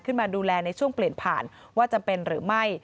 ดูแลในช่วงเปลี่ยนผ่านว่าจำเป็นหรือไม่